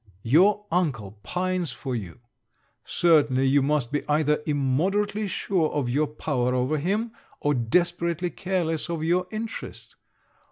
Your uncle pines for you. Certainly you must be either immoderately sure of your power over him, or desperately careless of your interest.